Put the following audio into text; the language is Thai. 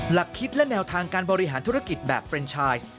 หลักคิดและแนวทางการบริหารธุรกิจแบบเรนชาย